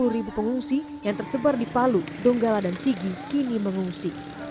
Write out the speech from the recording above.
sepuluh ribu pengungsi yang tersebar di palu donggala dan sigi kini mengungsi